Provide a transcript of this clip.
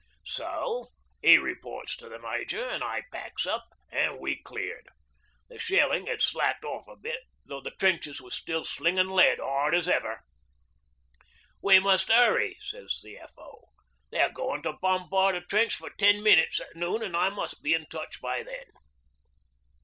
'So he reports to the Major, an' I packs up, an' we cleared. The shelling had slacked off a bit, though the trenches was still slingin' lead hard as ever. '"We must hurry," sez the F.O. "They're going to bombard a trench for ten minutes at noon, and I must be in touch by then."